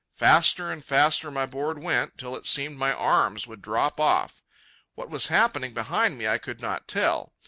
Faster and faster my board went, till it seemed my arms would drop off. What was happening behind me I could not tell.